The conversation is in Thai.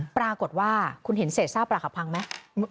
ปรากฏว่าคุณเห็นเศษซ่าปลาขับพังไหม